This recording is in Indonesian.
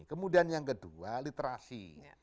kemudian yang kedua literasi